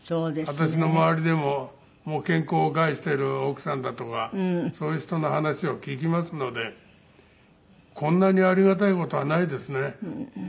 私の周りでも健康を害している奥さんだとかそういう人の話を聞きますのでこんなにありがたい事はないですね。